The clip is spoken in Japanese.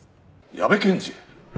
矢部検事！